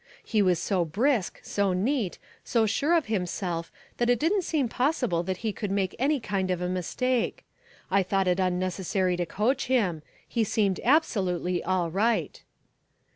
He was so brisk, so neat, so sure of himself that it didn't seem possible that he could make any kind of a mistake. I thought it unnecessary to coach him. He seemed absolutely all right.